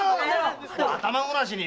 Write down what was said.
頭ごなしに。